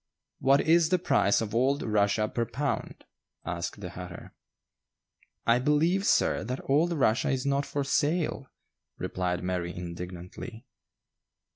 "What is the price of old Russia per pound?" asked the hatter. "I believe, sir, that old Rushia is not for sale," replied Mary indignantly.